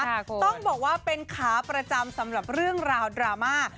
ต้องบอกว่าเป็นขาประจำสำหรับเรื่องราวดราม่า